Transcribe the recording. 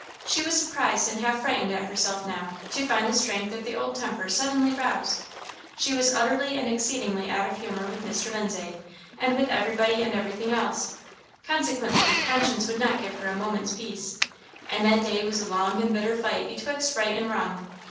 She was surprised, and half frightened at herself now, to find the strength of the old temper suddenly roused. She was utterly and exceedingly out of humour with Mr. Lindsay, and with everybody and everything else; consequently, conscience would not give her a moment's peace! and that day was a long and bitter fight betwixt right and wrong.